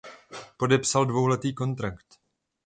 Podepsal dvouletý kontrakt.